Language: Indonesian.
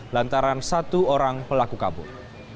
lantaran satu orang pelaku kabur